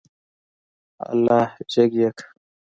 اله جګ يې که.